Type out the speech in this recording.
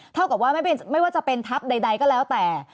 เท่ากับว่าไม่ว่าจะเป็นทัพใดก็แล้วแต่